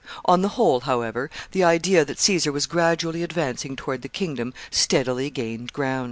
On the whole, however, the idea that Caesar was gradually advancing toward the kingdom steadily gained ground.